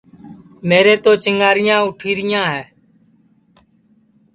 میرے تِو چِنگاٹِؔیاں اُوٹھِیرِیاں ہے